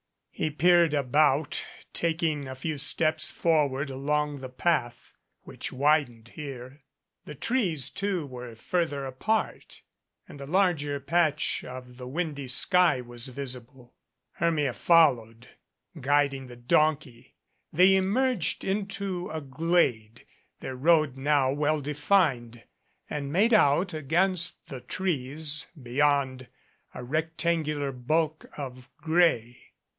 He peered about, taking a few steps forward along the path, which widened here. The trees, too, were further apart, and a larger patch of the windy sky was visible. Hermia followed, guiding the donkey. They emerged into 220 THE EMPTY HOUSE a glade, their road now well defined, and made out against the trees beyond a rectangular bulk of gray.